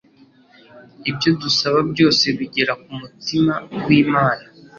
ibyo dusaba byose bigera ku mutima w’Imana.